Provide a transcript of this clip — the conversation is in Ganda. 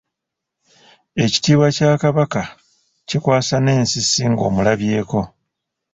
Ekitiibwa kya Kabaka kikwasa n’ensisi ng’omulabyeko.